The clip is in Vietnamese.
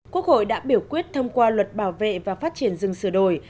quốc hội đã biểu quyết thông qua luật bảo vệ và phát triển rừng sửa đổi